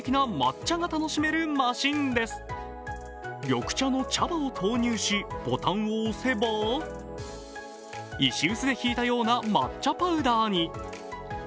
緑茶の茶葉を投入し、ボタンを押せば石臼でひいたような抹茶パウダーに。